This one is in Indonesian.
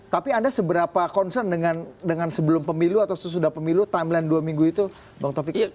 tapi anda seberapa concern dengan sebelum pemilu atau sesudah pemilu timeline dua minggu itu bang taufik